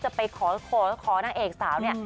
จะไปขอนางเอกสาวเนี่ย